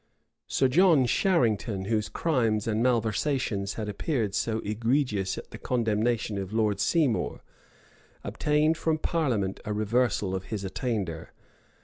Sir John Sharington, whose crimes and malversations had appeared so egregious at the condemnation of Lord Seymour, obtained from parliament a reversal of his attainder.